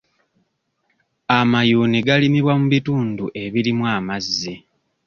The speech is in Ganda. Amayuuni galimibwa mu bitundu ebirimu amazzi.